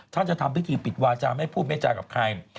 ท่านจะทำพิธีปิดวาจาไม่พูดไม่จากับใคร